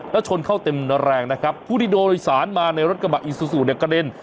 แล้วชนเข้าเต็มแรงนะครับผู้ที่โดยสารมาในรถกระบะอีซูซูเนี่ยกระเด็น